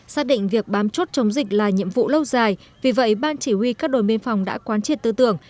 xác định việc bám chốt chống dịch là nhiệm vụ lâu dài vì vậy ban chỉ huy các đồn biên phòng đã quán triệt tư tưởng